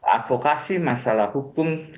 advokasi masalah hukum